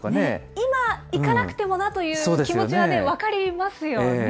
今行かなくてもなっていう気持ちは分かりますよね。